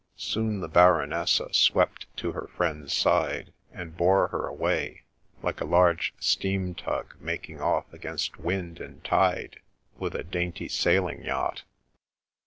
Soon the Baronessa swept to her friend's side, and bore her away, like a large steam tug making off against wind and tide with a dainty sailing yacht.